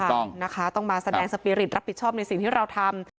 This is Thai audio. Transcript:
ต้องนะคะต้องมาแสดงสปีริตรับผิดชอบในสิ่งที่เราทำ